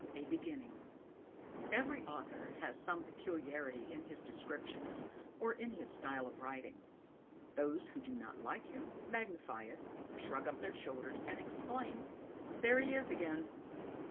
A Beginning Every author has some peculiarity in his descriptions or in his style of writing. Those who do not like him, magnify it, shrug up their shoulders, and exclaim there he is again!